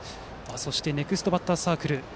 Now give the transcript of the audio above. そしてネクストバッターズサークル。